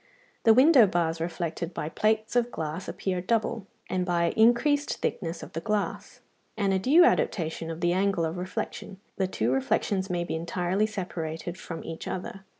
The window bars reflected by plates of glass appear double, and by increased thickness of the glass, and a due adaptation of the angle of reflection, the two reflections may be entirely separated from each other.